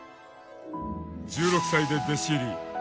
１６歳で弟子入り。